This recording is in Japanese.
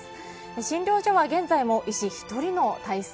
診療所は現在も医師１人の体制。